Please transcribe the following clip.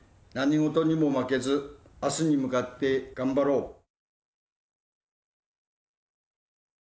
何事にも負けず明日に向かって頑張ろう。